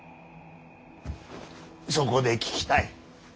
そこで聞きたい。